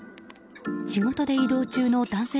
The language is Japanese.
仕事で移動中の男性